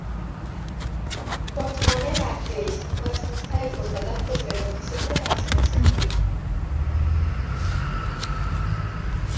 বর্তমানে জাতীয় এ সংবাদ সংস্থায় উপ-প্রধান প্রতিবেদক হিসেবে কাজ করছেন তিনি।